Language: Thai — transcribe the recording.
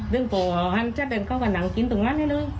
ดึงป่อหาวันจัดแล้วเขาก็น้ำกินตรงนั้นเลย